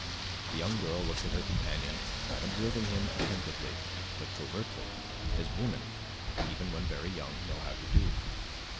The young girl looked at her companion, observing him attentively, but covertly, as women, even when very young, know how to do.